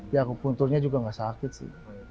ya akupunturnya juga tidak sakit sih